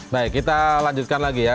baik kita lanjutkan lagi ya